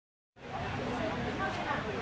ทุกวันใหม่ทุกวันใหม่